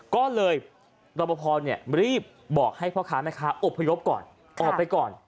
ก็เลยรอปภรีบบอกให้พ่อค้าแม่ค้าอบพยพก่อนออกไปก่อน